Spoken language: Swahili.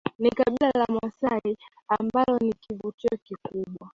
ni kabila la wamasai ambao ni kivutio kikubwa